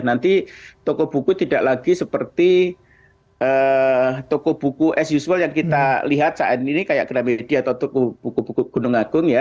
nanti toko buku tidak lagi seperti toko buku as usual yang kita lihat saat ini kayak gramedi atau buku buku gunung agung ya